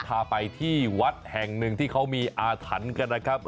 พาไปที่วัดแห่งหนึ่งที่เขามีอาถรรพ์กันนะครับ